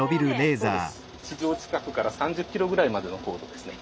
地上近くから３０ｋｍぐらいまでの高度ですね。